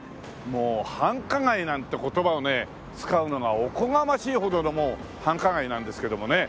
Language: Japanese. もう繁華街なんて言葉を使うのがおこがましいほどのもう繁華街なんですけどもね。